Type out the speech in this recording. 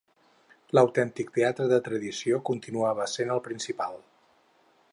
L'autèntic teatre de tradició continuava sent el Principal.